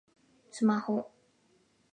スマホ